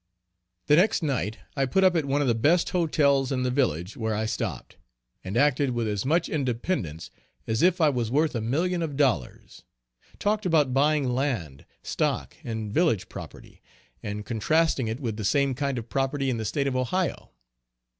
The next night I put up at one of the best hotels in the village where I stopped, and acted with as much independence as if I was worth a million of dollars; talked about buying land, stock and village property, and contrasting it with the same kind of property in the State of Ohio.